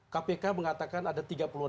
kpk mengatakan ada tiga puluh enam